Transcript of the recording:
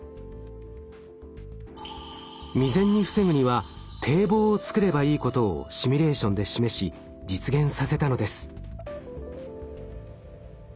未然に防ぐには堤防を造ればいいことをシミュレーションで示し実現させたのです。